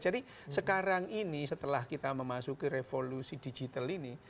jadi sekarang ini setelah kita memasuki revolusi digital ini